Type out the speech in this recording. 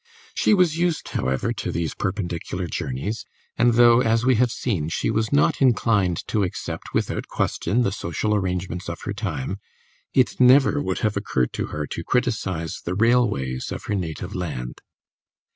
She was used, however, to these perpendicular journeys, and though, as we have seen, she was not inclined to accept without question the social arrangements of her time, it never would have occurred to her to criticise the railways of her native land.